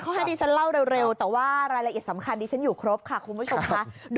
เขาให้ดิฉันเล่าเร็วแต่ว่ารายละเอียดสำคัญดิฉันอยู่ครบค่ะคุณผู้ชมค่ะ